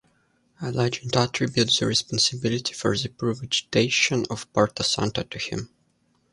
A legend attributes the responsibility for the poor vegetation of Porto Santo to him.